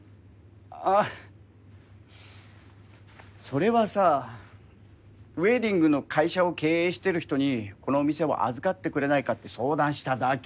あぁそれはさウエディングの会社を経営してる人にこのお店を預かってくれないかって相談しただけ。